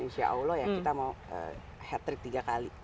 insya allah ya kita mau hat trick tiga kali